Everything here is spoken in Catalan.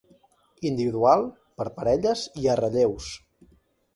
Individual, per parelles i a relleus.